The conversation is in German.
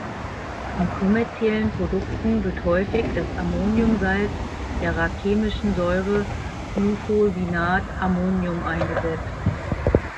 In kommerziellen Produkten wird häufig das Ammoniumsalz der racemischen Säure, „Glufosinat-Ammonium“ eingesetzt.